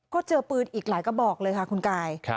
ก็เจอปืนอีกหลายกระบอกเลยค่ะคุณกาย